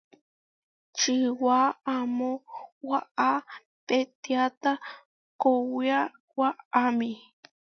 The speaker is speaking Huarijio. Čiwaamó waʼá peʼtiáta kowiá waʼámi.